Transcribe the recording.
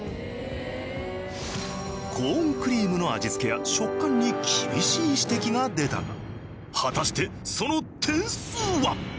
コーンクリームの味つけや食感に厳しい指摘が出たが果たしてその点数は？